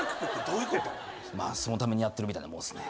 そのためにやってるみたいなもんすね。